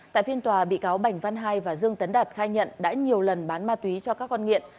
tại phiên tòa bị cáo bành văn hai và dương tấn đạt khai nhận đã nhiều lần bán ma túy cho các con nghiện